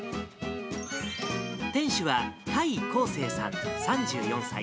店主は甲斐昂成さん３４歳。